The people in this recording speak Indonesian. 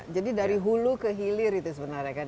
jadi dari hulu ke hilir itu sebenarnya kan